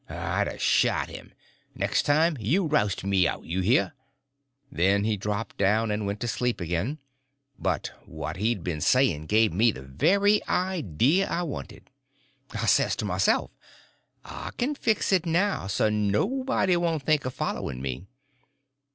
I'd a shot him. Next time you roust me out, you hear?" Then he dropped down and went to sleep again; but what he had been saying give me the very idea I wanted. I says to myself, I can fix it now so nobody won't think of following me.